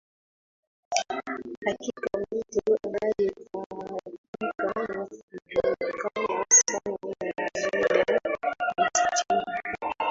hakika mtu anayefahamika na kujulikana sana ni ahmed mistil